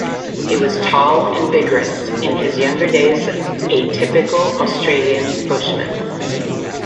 He was tall and vigorous, in his younger days a typical Australian bushman.